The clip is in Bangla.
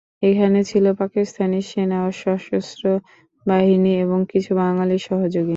এখানে ছিল পাকিস্তানি সেনা ও সশস্ত্র বিহারী এবং কিছু বাঙালি সহযোগী।